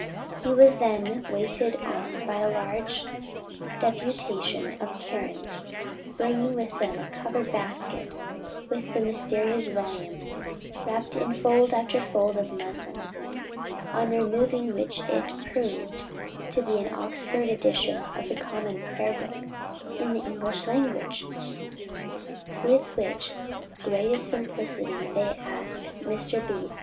He was then waited on by a large deputation of Karens, bringing with them in a covered basket, the mysterious volume, wrapped in fold after fold of muslin; on removing which it proved to be an Oxford edition of the Common Prayer Book in the English language! With the greatest simplicity they asked Mr. B.